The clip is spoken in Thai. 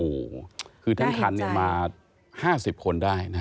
โอ้โหคือทั้งคันเนี่ยมา๕๐คนได้นะฮะ